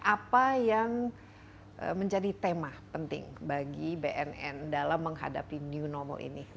apa yang menjadi tema penting bagi bnn dalam menghadapi new normal ini